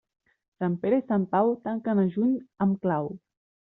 Sant Pere i Sant Pau tanquen a juny amb clau.